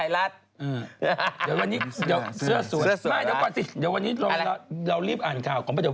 อะไรนะคะอะไรค่ะ